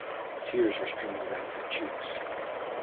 Tears were streaming down her checks.